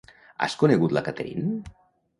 Has conegut la Catherine?